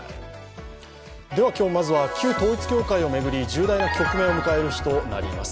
では今日、まずは旧統一教会を巡り重大な局面を迎える日となります。